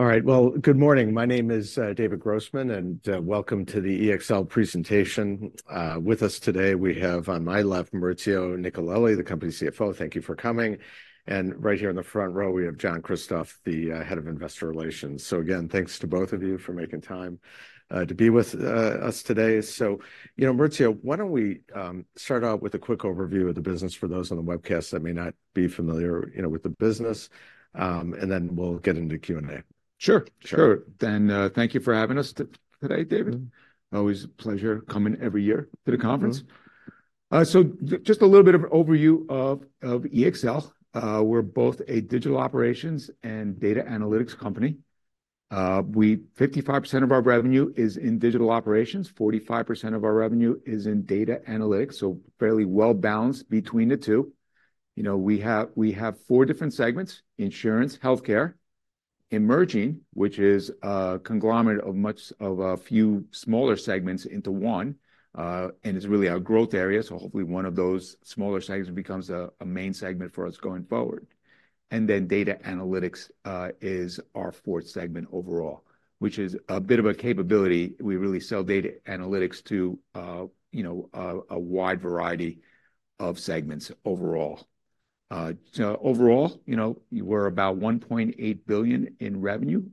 All right. Well, good morning. My name is David Grossman, and welcome to the EXL presentation. With us today, we have, on my left, Maurizio Nicolelli, the company's CFO. Thank you for coming. And right here in the front row, we have John Kristoff the head of Investor Relations. So again, thanks to both of you for making time to be with us today. So, you know, Maurizio, why don't we start out with a quick overview of the business for those on the webcast that may not be familiar, you know, with the business, and then we'll get into Q&A. Sure, sure. Sure. Then, thank you for having us today, David. Mm-hmm. Always a pleasure coming every year to the conference. Mm-hmm. So just a little bit of overview of, of EXL. We're both a digital operations and data analytics company. 55% of our revenue is in digital operations, 45% of our revenue is in data analytics, so fairly well-balanced between the two. You know, we have, we have four different segments: insurance, healthcare, emerging, which is a conglomerate of a few smaller segments into one, and is really our growth area, so hopefully one of those smaller segments becomes a main segment for us going forward. And then data analytics is our fourth segment overall, which is a bit of a capability. We really sell data analytics to, you know, a wide variety of segments overall. So overall, you know, we're about $1.8 billion in revenue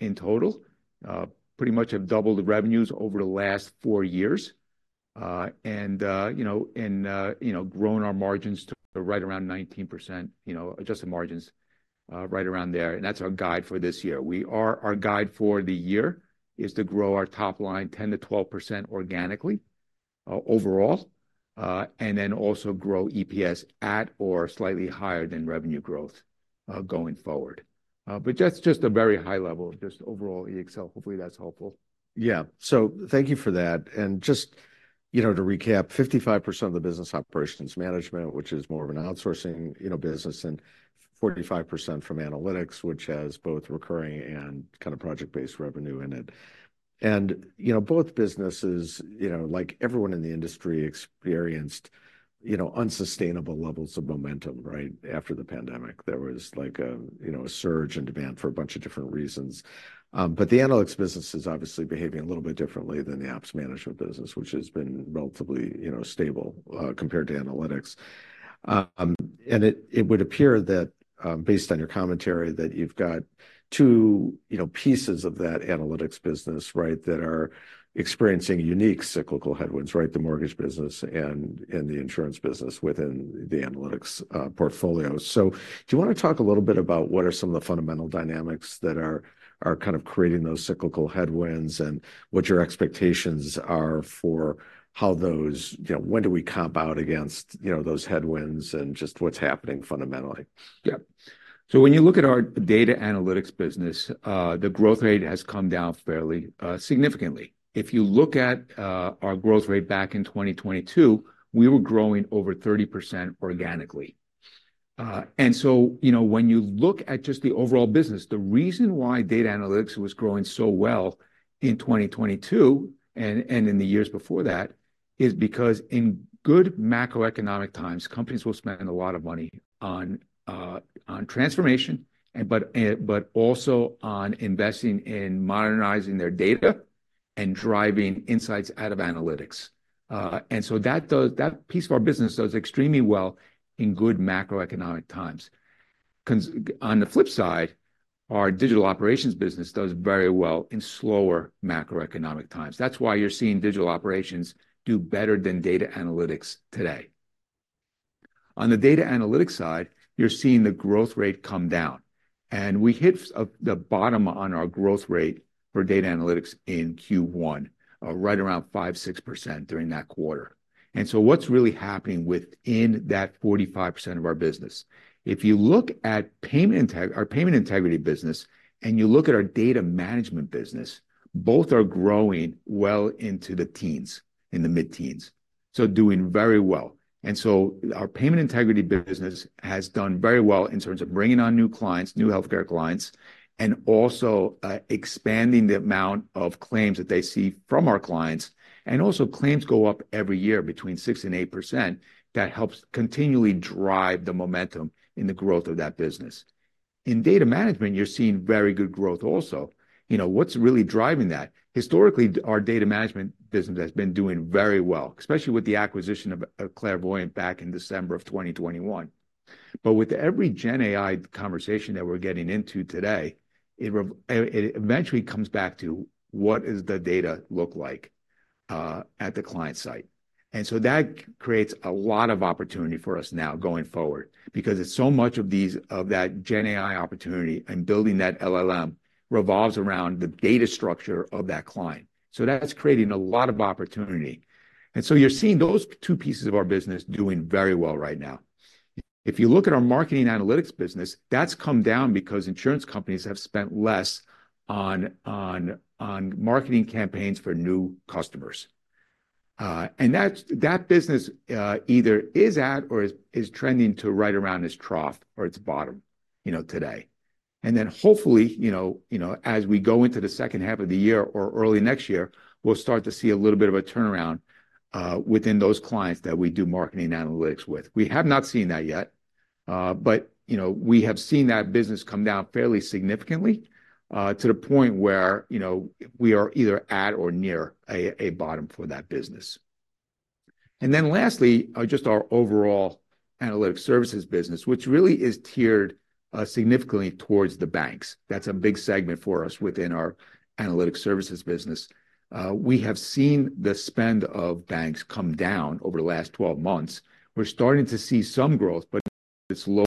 in total. Pretty much have doubled the revenues over the last four years, and you know and you know grown our margins to right around 19%, you know, adjusted margins, right around there, and that's our guide for this year. We are, our guide for the year is to grow our top line 10%-12% organically, overall, and then also grow EPS at or slightly higher than revenue growth, going forward. But that's just a very high level, just overall EXL. Hopefully, that's helpful. Yeah. So thank you for that. And just, you know, to recap, 55% of the business operations management, which is more of an outsourcing, you know, business, and 45% from analytics, which has both recurring and kind of project-based revenue in it. And, you know, both businesses, you know, like everyone in the industry, experienced, you know, unsustainable levels of momentum right after the pandemic. There was, like, a, you know, a surge in demand for a bunch of different reasons. But the analytics business is obviously behaving a little bit differently than the ops management business, which has been relatively, you know, stable, compared to analytics. And it would appear that, based on your commentary, that you've got two, you know, pieces of that analytics business, right, that are experiencing unique cyclical headwinds, right? The mortgage business and the insurance business within the analytics portfolio. So do you wanna talk a little bit about what are some of the fundamental dynamics that are kind of creating those cyclical headwinds, and what your expectations are for how those... You know, when do we comp out against, you know, those headwinds, and just what's happening fundamentally? Yeah. So when you look at our data analytics business, the growth rate has come down fairly significantly. If you look at our growth rate back in 2022, we were growing over 30% organically. And so, you know, when you look at just the overall business, the reason why data analytics was growing so well in 2022, and in the years before that, is because in good macroeconomic times, companies will spend a lot of money on transformation, and but also on investing in modernizing their data and driving insights out of analytics. And so that piece of our business does extremely well in good macroeconomic times. On the flip side, our digital operations business does very well in slower macroeconomic times. That's why you're seeing digital operations do better than data analytics today. On the data analytics side, you're seeing the growth rate come down, and we hit the bottom on our growth rate for data analytics in Q1, right around 5%-6% during that quarter. So what's really happening within that 45% of our business? If you look at payment integrity, our payment integrity business, and you look at our data management business, both are growing well into the teens, in the mid-teens, so doing very well. So our payment integrity business has done very well in terms of bringing on new clients, new healthcare clients, and also expanding the amount of claims that they see from our clients. And also, claims go up every year between 6%-8%. That helps continually drive the momentum in the growth of that business. In data management, you're seeing very good growth also. You know, what's really driving that? Historically, our data management business has been doing very well, especially with the acquisition of Clairvoyant back in December of 2021. But with every GenAI conversation that we're getting into today, it eventually comes back to: what does the data look like at the client site? And so that creates a lot of opportunity for us now going forward because it's so much of these, of that GenAI opportunity, and building that LLM revolves around the data structure of that client. So that's creating a lot of opportunity. And so you're seeing those two pieces of our business doing very well right now. If you look at our marketing analytics business, that's come down because insurance companies have spent less on marketing campaigns for new customers. And that's that business either is at or is trending to right around this trough or its bottom, you know, today. And then hopefully, you know, you know, as we go into the second half of the year or early next year, we'll start to see a little bit of a turnaround within those clients that we do marketing analytics with. We have not seen that yet, but you know, we have seen that business come down fairly significantly to the point where, you know, we are either at or near a bottom for that business. And then lastly, just our overall analytic services business, which really is tiered significantly towards the banks. That's a big segment for us within our analytic services business. We have seen the spend of banks come down over the last 12 months. We're starting to see some growth, but it's low,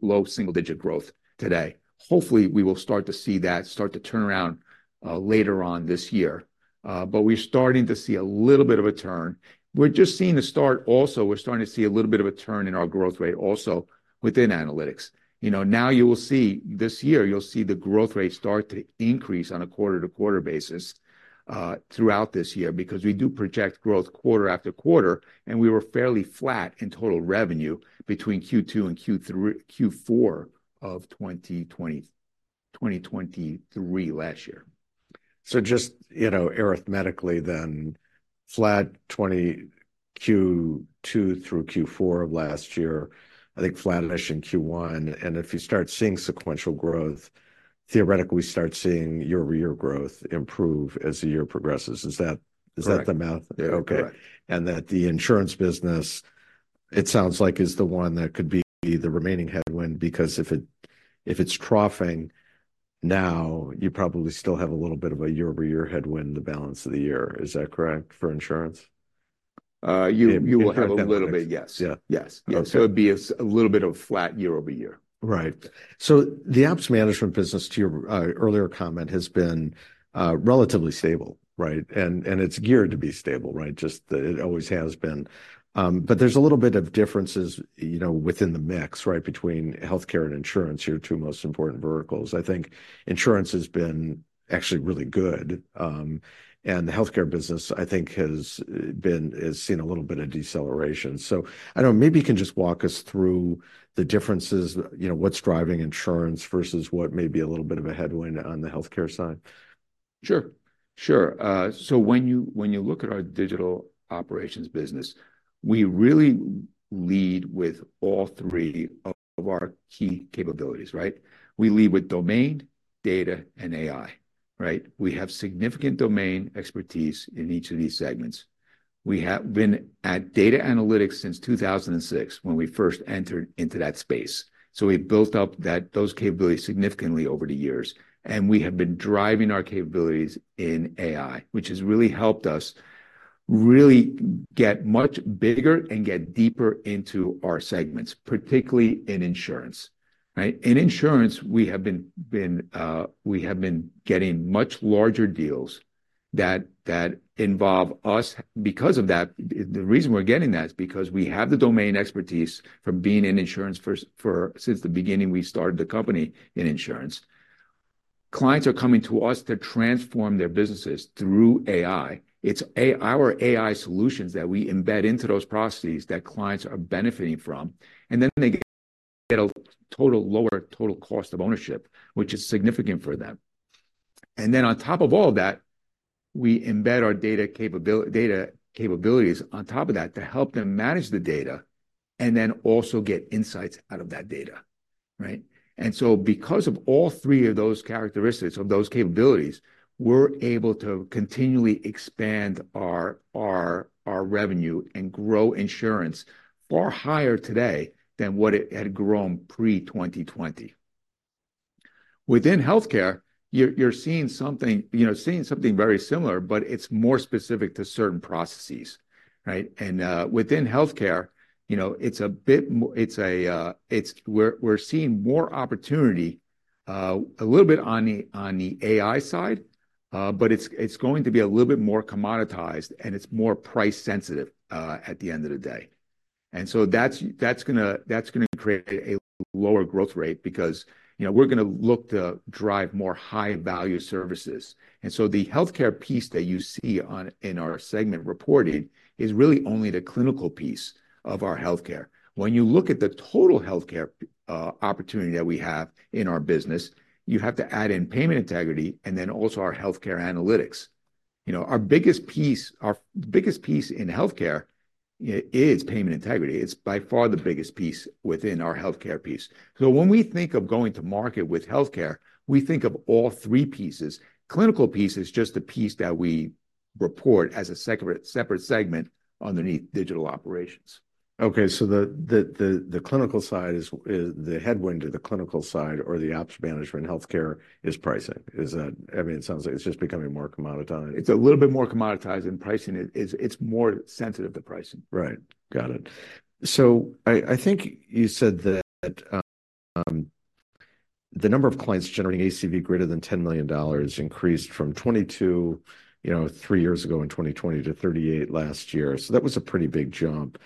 low single-digit growth today. Hopefully, we will start to see that start to turn around, later on this year. But we're starting to see a little bit of a turn. We're starting to see a little bit of a turn in our growth rate also within analytics. You know, now you will see, this year, you'll see the growth rate start to increase on a quarter-to-quarter basis, throughout this year. Because we do project growth quarter-after-quarter, and we were fairly flat in total revenue between Q2 and Q4 of 2023, last year. So just, you know, arithmetically then, flat 20 Q2 through Q4 of last year, I think flat-ish in Q1, and if you start seeing sequential growth, theoretically, we start seeing year-over-year growth improve as the year progresses. Is that... Correct. Is that the math? Yeah. Okay. That the insurance business, it sounds like, is the one that could be the remaining headwind. Because if it, if it's troughing now, you probably still have a little bit of a year-over-year headwind the balance of the year. Is that correct for insurance? You will have a little bit, yes. Yeah. Yes. Okay. So it'd be a little bit of flat year-over-year. Right. So the ops management business, to your earlier comment, has been relatively stable, right? And it's geared to be stable, right? Just that it always has been. But there's a little bit of differences, you know, within the mix, right, between healthcare and insurance, your two most important verticals. I think insurance has been actually really good. And the healthcare business, I think, has seen a little bit of deceleration. So I don't know, maybe you can just walk us through the differences, you know, what's driving insurance versus what may be a little bit of a headwind on the healthcare side? Sure, sure. So when you, when you look at our digital operations business, we really lead with all three of our key capabilities, right? We lead with domain, data, and AI, right? We have significant domain expertise in each of these segments. We have been at data analytics since 2006, when we first entered into that space. So we've built up those capabilities significantly over the years, and we have been driving our capabilities in AI, which has really helped us really get much bigger and get deeper into our segments, particularly in insurance, right? In insurance, we have been getting much larger deals that involve us. Because of that, the reason we're getting that is because we have the domain expertise from being in insurance for since the beginning we started the company in insurance. Clients are coming to us to transform their businesses through AI. It's AI, our AI solutions that we embed into those processes that clients are benefiting from, and then they get a total lower total cost of ownership, which is significant for them. And then on top of all that, we embed our data capabilities on top of that to help them manage the data and then also get insights out of that data, right? And so because of all three of those characteristics, of those capabilities, we're able to continually expand our revenue and grow insurance far higher today than what it had grown pre-2020. Within healthcare, you're seeing something, you know, seeing something very similar, but it's more specific to certain processes, right? And within healthcare, you know, it's a bit it's a, it's... We're seeing more opportunity, a little bit on the AI side, but it's going to be a little bit more commoditized, and it's more price sensitive, at the end of the day. So that's gonna create a lower growth rate because, you know, we're gonna look to drive more high-value services. So the healthcare piece that you see in our segment reporting is really only the clinical piece of our healthcare. When you look at the total healthcare opportunity that we have in our business, you have to add in payment integrity and then also our healthcare analytics. You know, our biggest piece in healthcare is payment integrity. It's by far the biggest piece within our healthcare piece. When we think of going to market with healthcare, we think of all three pieces. Clinical piece is just a piece that we report as a separate, separate segment underneath digital operations. Okay, so the clinical side is the headwind to the clinical side or the ops management healthcare is pricing. Is that? I mean, it sounds like it's just becoming more commoditized. It's a little bit more commoditized, and pricing it, it's more sensitive to pricing. Right. Got it. So I think you said that the number of clients generating ACV greater than $10 million increased from 22, you know, three years ago in 2020 to 38 last year, so that was a pretty big jump.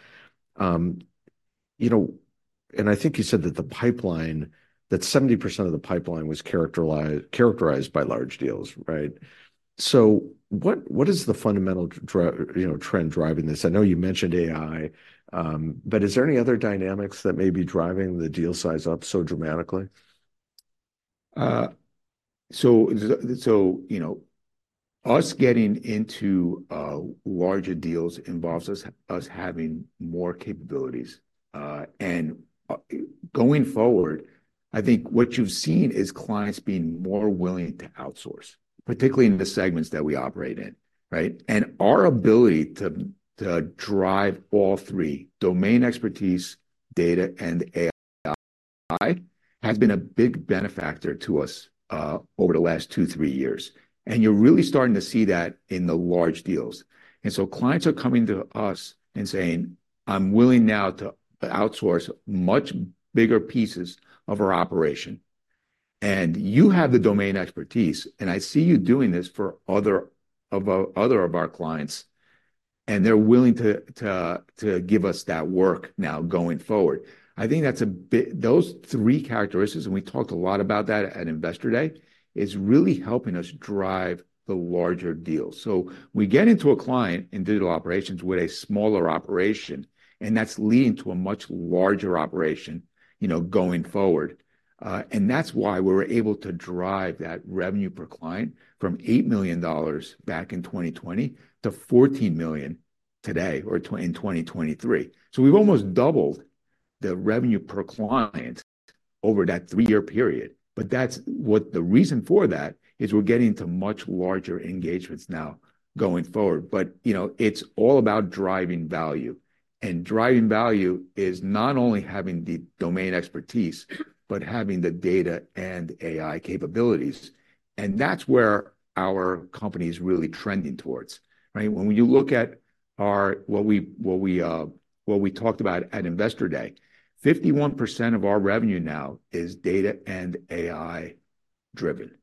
You know, and I think you said that the pipeline, that 70% of the pipeline was characterized by large deals, right? So what is the fundamental trend driving this? I know you mentioned AI, but is there any other dynamics that may be driving the deal size up so dramatically? So, you know, getting into larger deals involves having more capabilities. And going forward, I think what you've seen is clients being more willing to outsource, particularly in the segments that we operate in, right? And our ability to drive all three, domain expertise, data, and AI, has been a big benefit to us over the last twon to three years. And you're really starting to see that in the large deals. And so clients are coming to us and saying, "I'm willing now to outsource much bigger pieces of our operation." And you have the domain expertise, and I see you doing this for other of our clients, and they're willing to give us that work now going forward. I think that's a bit those three characteristics, and we talked a lot about that at Investor Day, is really helping us drive the larger deals. So we get into a client in digital operations with a smaller operation, and that's leading to a much larger operation, you know, going forward. And that's why we were able to drive that revenue per client from $8 million back in 2020 to $14 million today, in 2023. So we've almost doubled the revenue per client over that three-year period, but that's... What the reason for that is we're getting into much larger engagements now going forward. But, you know, it's all about driving value, and driving value is not only having the domain expertise, but having the data and AI capabilities, and that's where our company's really trending towards, right? When you look at what we talked about at Investor Day, 51% of our revenue now is data and AI-driven.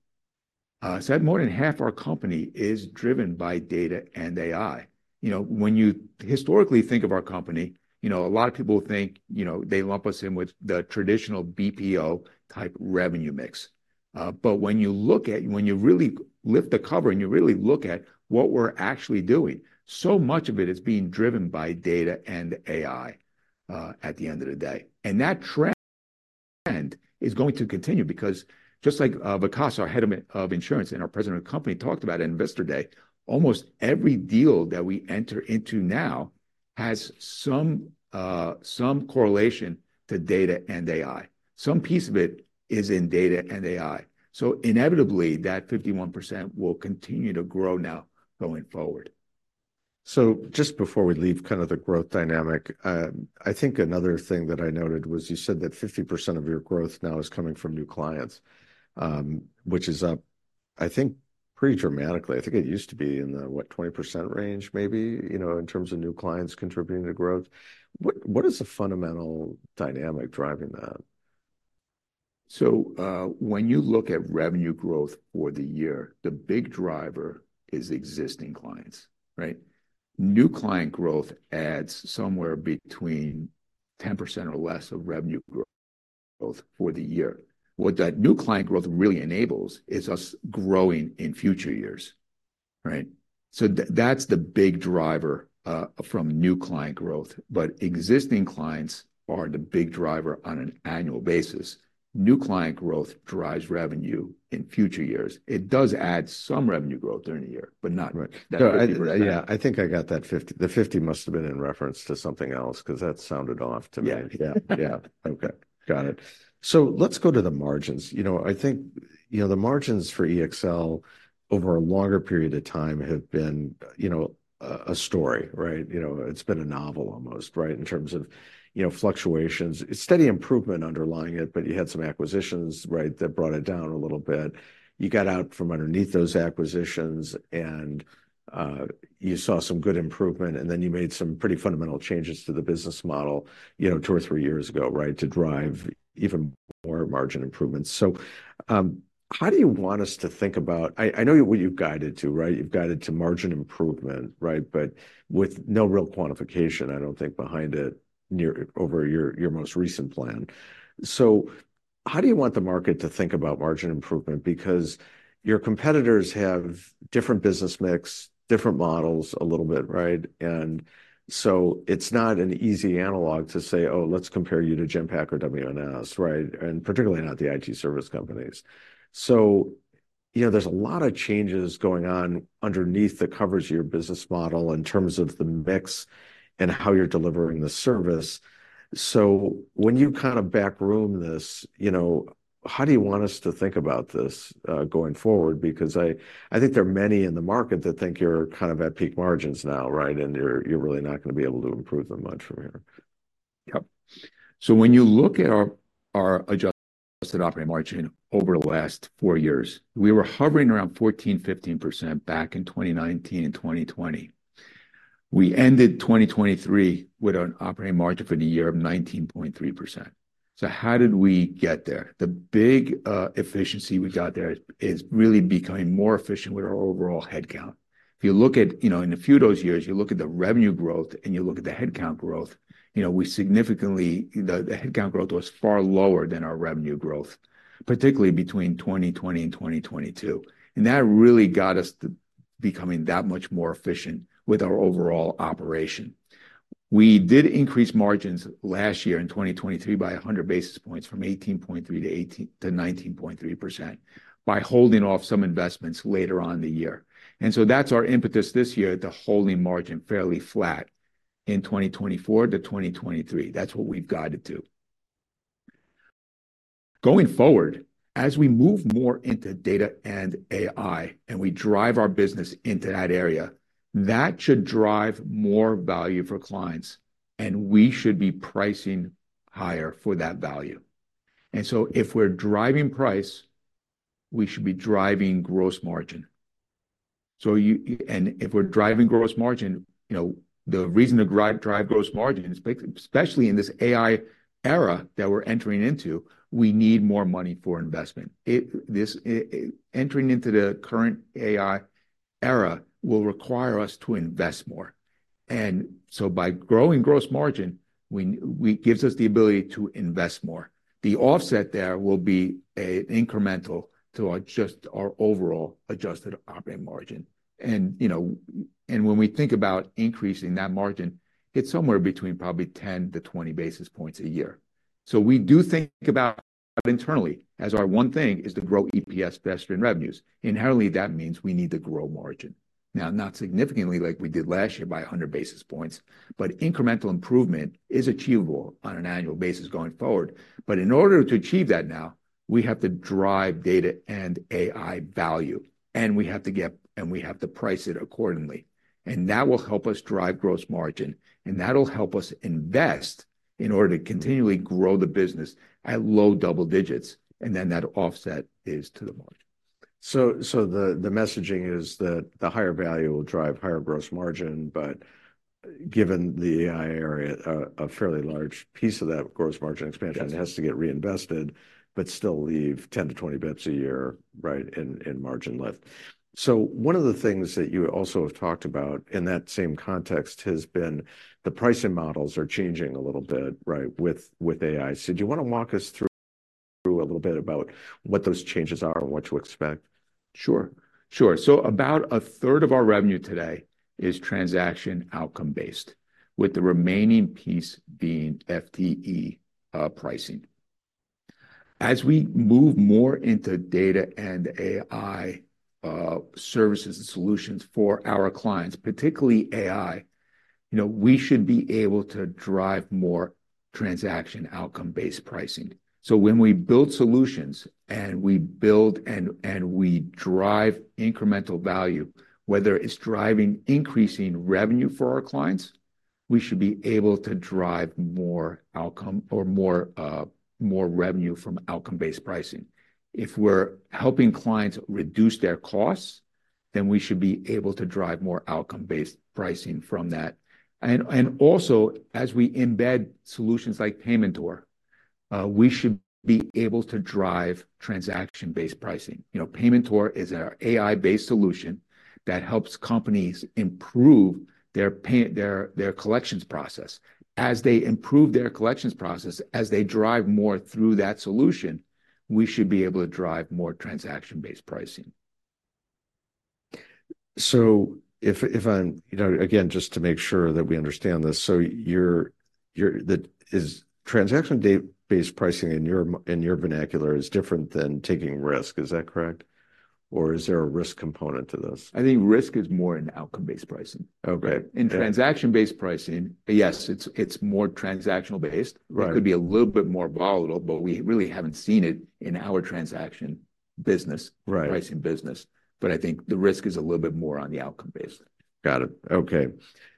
So more than half our company is driven by data and AI. You know, when you historically think of our company, you know, a lot of people think, you know, they lump us in with the traditional BPO-type revenue mix. But when you really lift the cover, and you really look at what we're actually doing, so much of it is being driven by data and AI at the end of the day. That trend is going to continue because just like Vikas, our head of insurance, and our president of the company talked about at Investor Day, almost every deal that we enter into now has some correlation to data and AI. Some piece of it is in data and AI. So inevitably, that 51% will continue to grow now going forward. So just before we leave kind of the growth dynamic, I think another thing that I noted was you said that 50% of your growth now is coming from new clients, which is up, I think, pretty dramatically. I think it used to be in the, what, 20% range maybe, you know, in terms of new clients contributing to growth. What, what is the fundamental dynamic driving that? So, when you look at revenue growth for the year, the big driver is existing clients, right? New-client growth adds somewhere between 10% or less of revenue growth for the year. What that new-client growth really enables is us growing in future years, right? So that's the big driver, from new-client growth, but existing clients are the big driver on an annual basis. New-client growth drives revenue in future years. It does add some revenue growth during the year, but not- Right. That 50%. Yeah, I think I got that 50% the 50 must have been in reference to something else 'cause that sounded off to me. Yeah. Yeah, yeah. Okay, got it. So let's go to the margins. You know, I think, you know, the margins for EXL over a longer period of time have been, you know, a story, right? You know, it's been a novel almost, right, in terms of, you know, fluctuations. Steady improvement underlying it, but you had some acquisitions, right, that brought it down a little bit. You got out from underneath those acquisitions, and you saw some good improvement, and then you made some pretty fundamental changes to the business model, you know, two or three years ago, right, to drive even more margin improvements. So, how do you want us to think about... I know what you've guided to, right? You've guided to margin improvement, right? But with no real quantification, I don't think, behind it near-over your most recent plan. So how do you want the market to think about margin improvement? Because your competitors have different business mix, different models a little bit, right? And so it's not an easy analog to say, "Oh, let's compare you to Genpact or WNS," right? And particularly not the IT service companies. So, you know, there's a lot of changes going on underneath the covers of your business model in terms of the mix and how you're delivering the service. So when you kind of backroom this, you know, how do you want us to think about this, going forward? Because I, I think there are many in the market that think you're kind of at peak margins now, right, and you're, you're really not going to be able to improve them much from here. Yep. So when you look at our adjusted operating margin over the last 4 years, we were hovering around 14%, 15% back in 2019 and 2020. We ended 2023 with an operating margin for the year of 19.3%. So how did we get there? The big efficiency we got there is really becoming more efficient with our overall headcount. If you look at, you know, in a few of those years, you look at the revenue growth, and you look at the headcount growth, you know, we significantly, the headcount growth was far lower than our revenue growth, particularly between 2020 and 2022, and that really got us to becoming that much more efficient with our overall operation. We did increase margins last year in 2023 by 100 basis points, from 18.3% to 19.3%, by holding off some investments later on in the year. And so that's our impetus this year, to holding margin fairly flat in 2024 to 2023. That's what we've guided to. Going forward, as we move more into data and AI, and we drive our business into that area, that should drive more value for clients, and we should be pricing higher for that value. And so if we're driving price, we should be driving gross margin. So you, you-- and if we're driving gross margin, you know, the reason to drive gross margin is especially in this AI era that we're entering into, we need more money for investment. It, this, i... Entering into the current AI era will require us to invest more, and so by growing gross margin, we gives us the ability to invest more. The offset there will be an incremental to adjust our overall adjusted operating margin. And, you know, and when we think about increasing that margin, it's somewhere between probably 10 basis points-20 basis points a year. So we do think about internally, as our one thing is to grow EPS faster than revenues. Inherently, that means we need to grow margin. Now, not significantly like we did last year by 100 basis points, but incremental improvement is achievable on an annual basis going forward. But in order to achieve that now, we have to drive data and AI value, and we have to price it accordingly. And that will help us drive gross margin, and that'll help us invest in order to continually grow the business at low double digits, and then that offset is to the margin. So the messaging is that the higher value will drive higher gross margin, but given the AI area, a fairly large piece of that gross margin expansion... Yes. Has to get reinvested, but still leave 10 bps-20 bps a year, right, in, in margin lift. So one of the things that you also have talked about in that same context has been the pricing models are changing a little bit, right, with, with AI. So do you want to walk us through a little bit about what those changes are and what to expect? Sure. Sure, so about a third of our revenue today is transaction outcome-based, with the remaining piece being FTE pricing. As we move more into data and AI services and solutions for our clients, particularly AI, you know, we should be able to drive more transaction outcome-based pricing. So when we build solutions, and we build and we drive incremental value, whether it's driving increasing revenue for our clients, we should be able to drive more outcome or more revenue from outcome-based pricing. If we're helping clients reduce their costs, then we should be able to drive more outcome-based pricing from that. And also, as we embed solutions like Paymentor, we should be able to drive transaction-based pricing. You know, Paymentor is our AI-based solution that helps companies improve their payments, their collections process. As they improve their collections process, as they drive more through that solution, we should be able to drive more transaction-based pricing. So, again, just to make sure that we understand this, so is transaction-based pricing in your vernacular different than taking risk? Is that correct, or is there a risk component to this? I think risk is more in outcome-based pricing. Okay. In transaction-based pricing, yes, it's more transactional-based. Right. It could be a little bit more volatile, but we really haven't seen it in our transaction business... Right Pricing business. But I think the risk is a little bit more on the outcome-based. Got it. Okay.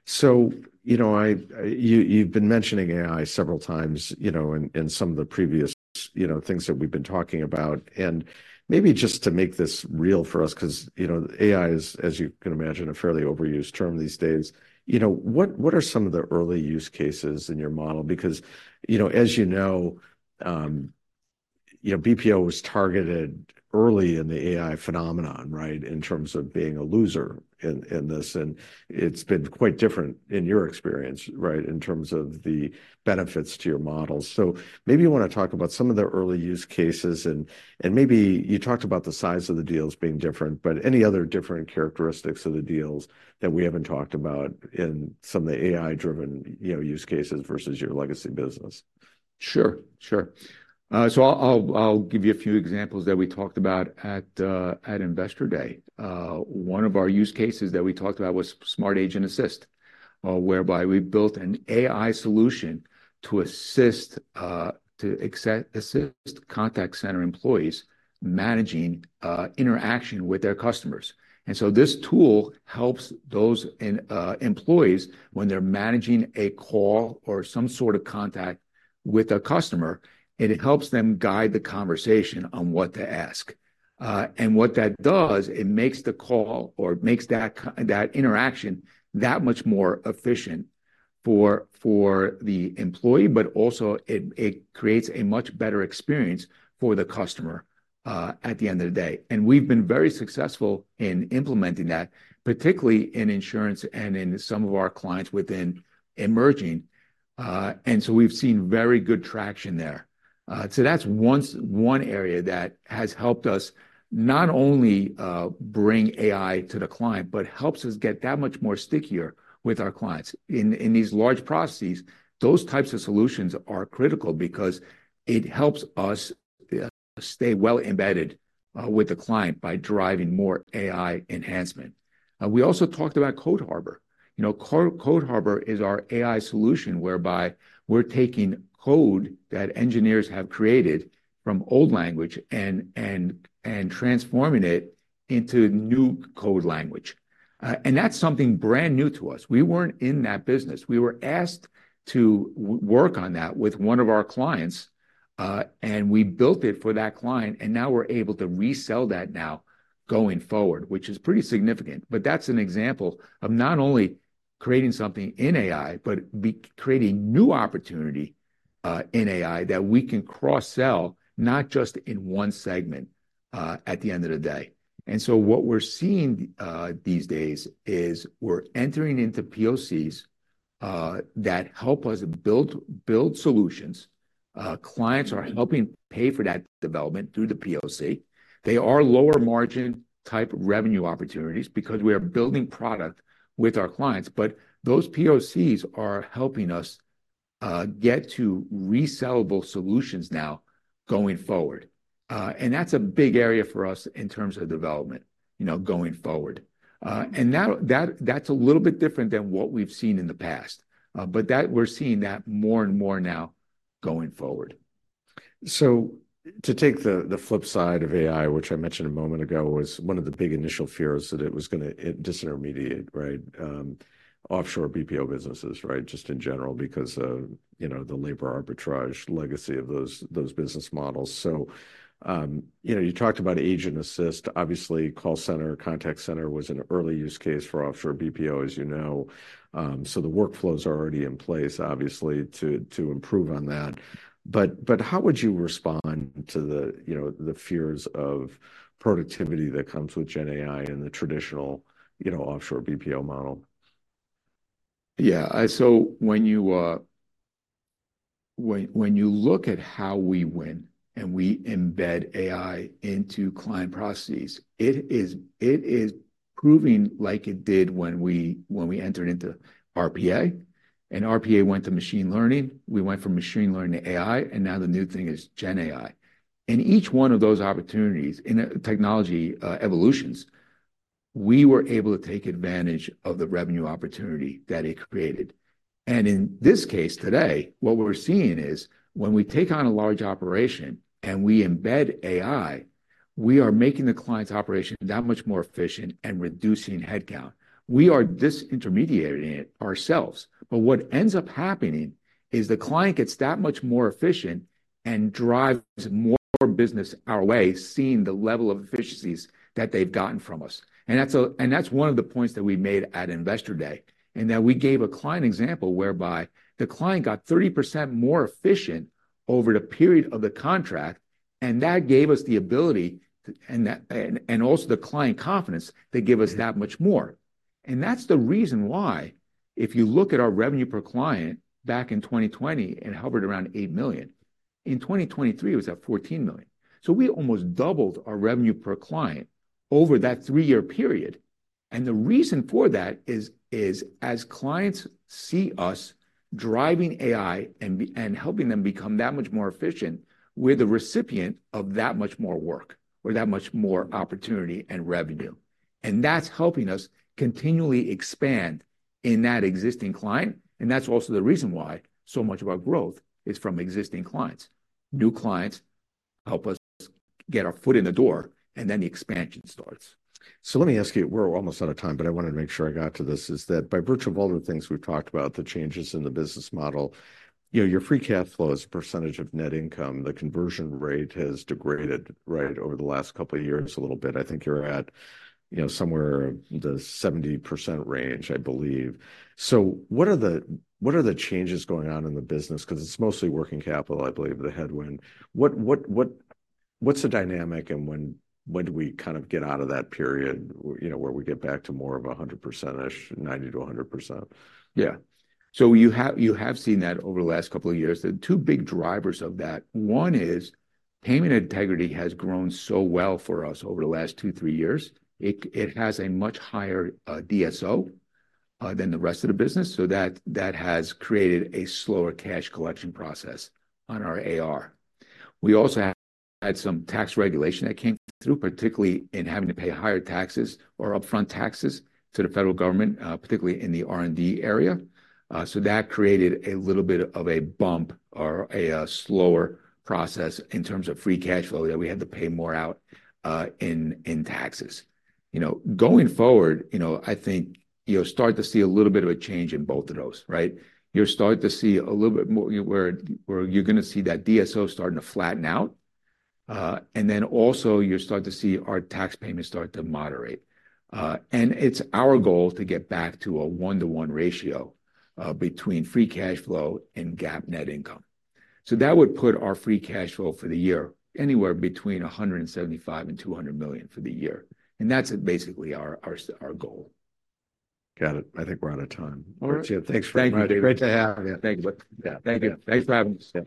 So you know, you've been mentioning AI several times, you know, in some of the previous, you know, things that we've been talking about, and maybe just to make this real for us, 'cause, you know, AI is, as you can imagine, a fairly overused term these days. You know, what are some of the early use cases in your model? Because, you know, as you know, you know, BPO was targeted early in the AI phenomenon, right, in terms of being a loser in this, and it's been quite different in your experience, right, in terms of the benefits to your model. So maybe you want to talk about some of the early use cases and maybe you talked about the size of the deals being different, but any other different characteristics of the deals that we haven't talked about in some of the AI-driven, you know, use cases versus your legacy business? Sure, sure. So I'll give you a few examples that we talked about at Investor Day. One of our use cases that we talked about was Smart Agent Assist, whereby we built an AI solution to assist contact center employees managing interaction with their customers. And so this tool helps those employees when they're managing a call or some sort of contact with a customer, it helps them guide the conversation on what to ask. And what that does, it makes the call or makes that interaction that much more efficient for the employee, but also it creates a much better experience for the customer at the end of the day, and we've been very successful in implementing that, particularly in insurance and in some of our clients within emerging. And so we've seen very good traction there. So that's one area that has helped us not only bring AI to the client, but helps us get that much more stickier with our clients. In these large processes, those types of solutions are critical because it helps us stay well embedded with the client by driving more AI enhancement. We also talked about Code Harbor. You know, Code Harbor is our AI solution, whereby we're taking code that engineers have created from old language and transforming it into new code language. And that's something brand new to us. We weren't in that business. We were asked to work on that with one of our clients, and we built it for that client, and now we're able to resell that now going forward, which is pretty significant. But that's an example of not only creating something in AI but creating new opportunity in AI that we can cross-sell, not just in one segment, at the end of the day. And so what we're seeing these days is we're entering into POCs that help us build solutions. Clients are helping pay for that development through the POC. They are lower-margin type revenue opportunities because we are building product with our clients, but those POCs are helping us get to resellable solutions now going forward. And that's a big area for us in terms of development, you know, going forward. And now that's a little bit different than what we've seen in the past, but we're seeing that more and more now going forward. So to take the flip side of AI, which I mentioned a moment ago, was one of the big initial fears that it was gonna... It disintermediate, right? Offshore BPO businesses, right? Just in general, because of, you know, the labor arbitrage legacy of those business models. So, you know, you talked about Agent Assist. Obviously, call center, contact center was an early use case for offshore BPO, as you know. So the workflows are already in place, obviously, to improve on that. But how would you respond to the, you know, the fears of productivity that comes with GenAI and the traditional, you know, offshore BPO model? Yeah. So when you look at how we win and we embed AI into client processes, it is proving like it did when we entered into RPA, and RPA went to machine learning. We went from machine learning to AI, and now the new thing is GenAI. In each one of those opportunities, in technology evolutions, we were able to take advantage of the revenue opportunity that it created. And in this case, today, what we're seeing is when we take on a large operation, and we embed AI, we are making the client's operation that much more efficient and reducing headcount. We are disintermediating it ourselves. But what ends up happening is the client gets that much more efficient and drives more business our way, seeing the level of efficiencies that they've gotten from us. And that's one of the points that we made at Investor Day, and we gave a client example whereby the client got 30% more efficient over the period of the contract, and that gave us the ability, and that also gave the client confidence to give us that much more. And that's the reason why if you look at our revenue per client back in 2020, it hovered around $8 million. In 2023, it was at $14 million. So we almost doubled our revenue per client over that three-year period, and the reason for that is as clients see us driving AI and helping them become that much more efficient, we're the recipient of that much more work or that much more opportunity and revenue, and that's helping us continually expand in that existing client, and that's also the reason why so much of our growth is from existing clients. New clients help us get our foot in the door, and then the expansion starts. So let me ask you, we're almost out of time, but I wanted to make sure I got to this, is that by virtue of all the things we've talked about, the changes in the business model, you know, your free cash flow as a percentage of net income, the conversion rate has degraded, right, over the last couple of years a little bit. I think you're at, you know, somewhere in the 70% range, I believe. So what are the changes going on in the business? 'Cause it's mostly working capital, I believe, the headwind. What's the dynamic, and when do we kind of get out of that period, you know, where we get back to more of a 100%ish, 90%-100%? Yeah. So you have, you have seen that over the last couple of years. The two big drivers of that, one is payment integrity has grown so well for us over the last two, three years. It, it has a much higher, DSO, than the rest of the business, so that, that has created a slower cash collection process on our AR. We also had some tax regulation that came through, particularly in having to pay higher taxes or upfront taxes to the federal government, particularly in the R&D area. So that created a little bit of a bump or a, slower process in terms of free cash flow, that we had to pay more out, in taxes. You know, going forward, you know, I think you'll start to see a little bit of a change in both of those, right? You're starting to see a little bit more... Where you're going to see that DSO starting to flatten out, and then also, you're starting to see our tax payments start to moderate. And it's our goal to get back to a 1:1 ratio between free cash flow and GAAP net income. So that would put our free cash flow for the year anywhere between $175 million and $200 million for the year, and that's basically our goal. Got it. I think we're out of time. All right. Thanks for... Thank you. Great to have you. Thank you. Yeah. Thank you. Thanks for having me.